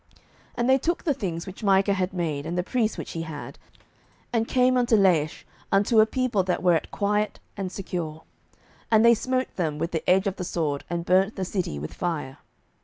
07:018:027 And they took the things which Micah had made, and the priest which he had, and came unto Laish, unto a people that were at quiet and secure: and they smote them with the edge of the sword, and burnt the city with fire.